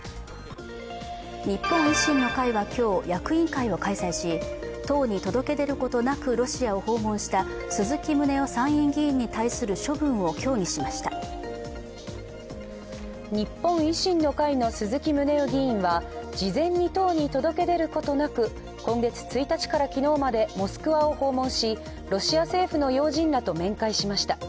日本維新の会は今日、役員会を開催し党に届け出ることなく、ロシアを訪問した鈴木宗男参院議員に対する処分を協議しました日本維新の会の鈴木宗男議員は事前に党に届け出ることなく、今月１日から昨日までモスクワを訪問し、ロシア政府の要人らと面会しました。